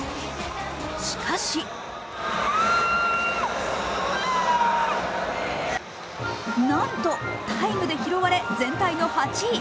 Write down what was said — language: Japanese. しかしなんとタイムで拾われ、全体の８位。